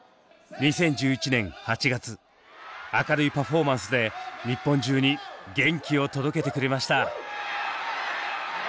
２０１１年８月明るいパフォーマンスで日本中に元気を届けてくれました。